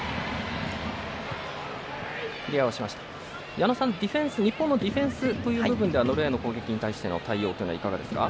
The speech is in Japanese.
矢野さん、日本のディフェンスという部分ではノルウェーの攻撃に対しての対応どうですか？